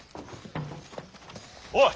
おい！